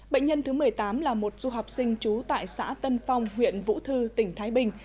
bệnh nhân thứ một mươi tám là một du học sinh trú tại xã tân phong huyện vũ thư tỉnh thái bình